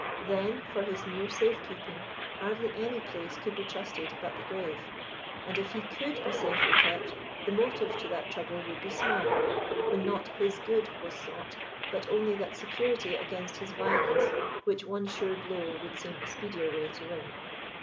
Then, for his mere safe keeping, hardly any place could be trusted but the grave, and if he could be safely kept, the motive to that trouble would be small, when not his good was sought, but only that security against his violence which one sure blow would seem a speedier way to win.